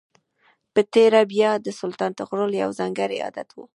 په تېره بیا د سلطان طغرل یو ځانګړی عادت و.